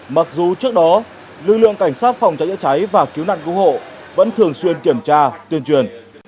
mặc dù trước đó lực lượng cảnh sát phòng cháy chữa cháy và cứu nạn cứu hộ vẫn thường xuyên kiểm tra tuyên truyền